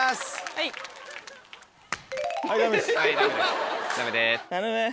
はいダメです。